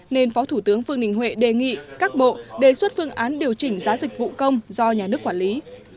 nên phó thủ tướng vương đình huệ đề nghị các bộ đề xuất phương án điều chỉnh giá dịch vụ công do nhà nước quản lý